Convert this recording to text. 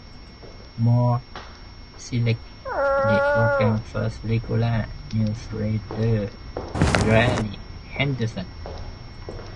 Moore selected the program's first regular newsreader, Larry Henderson.